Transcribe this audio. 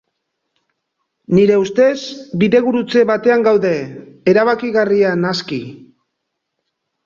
Nire ustez, bidegurutze batean gaude, erabakigarria naski.